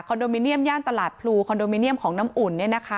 โดมิเนียมย่านตลาดพลูคอนโดมิเนียมของน้ำอุ่น